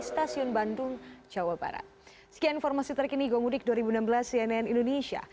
sekian informasi terkini gomudik dua ribu enam belas cnn indonesia